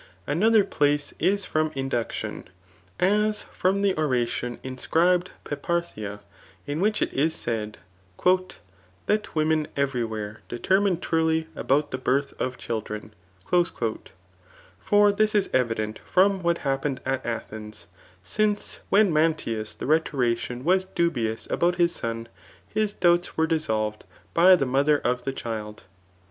Another place is from induction ; a$ from [the oration inscribed] Peparethia, in which it is said, That wom«i every where determine truly about the birth of children." For this is evident from what happened at Athens ; since when Mantias the rhetorician was dubious about his son, his doubts were dissolved by the mother of the child.